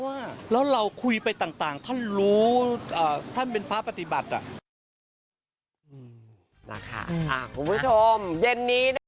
แล้วเราคุยไปต่างท่านรู้ท่านเป็นพระปฏิบัติ